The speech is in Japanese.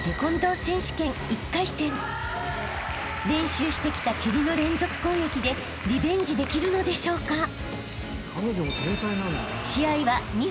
［練習してきた蹴りの連続攻撃でリベンジできるのでしょうか？］